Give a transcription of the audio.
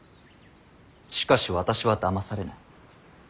しかし私はだまされない。